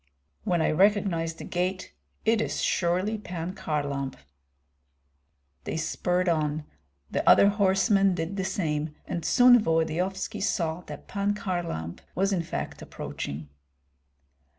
"When I recognize the gait, it is surely Pan Kharlamp." They spurred on; the other horsemen did the same, and soon Volodyovski saw that Pan Kharlamp was in fact approaching.